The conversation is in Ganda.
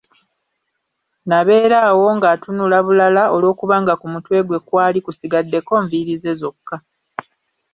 N'abeera awo ng'atunula bulala olwokubanga ku mutwe gwe kwali kusigaddeko nviiri ze zokka.